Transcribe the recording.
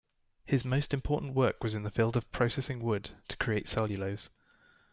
His most important work was in the field of processing wood to create cellulose.